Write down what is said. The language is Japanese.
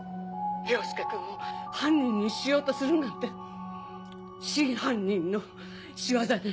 凌介君を犯人にしようとするなんて真犯人の仕業ね。